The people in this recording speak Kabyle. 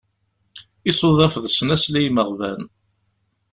Isuḍaf d snasel i yimeɣban.